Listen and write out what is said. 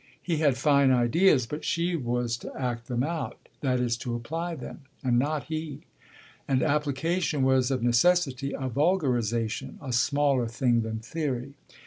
He had fine ideas, but she was to act them out, that is to apply them, and not he; and application was of necessity a vulgarisation, a smaller thing than theory.